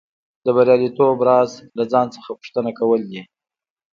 د بریالیتوب راز له ځان څخه پوښتنه کول دي